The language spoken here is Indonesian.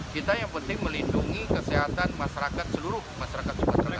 kita yang penting melindungi kesehatan masyarakat seluruh masyarakat sumatera